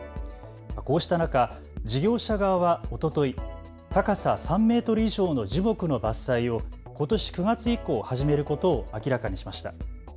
こうした中、事業者側はおととい高さ３メートル以上の樹木の伐採をことし９月以降、始めることを明らかにしました。